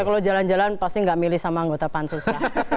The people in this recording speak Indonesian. kalau jalan jalan pasti nggak milih sama anggota pansus ya